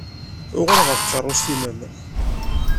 Uɣal ɣer tkeṛṛust-nnem!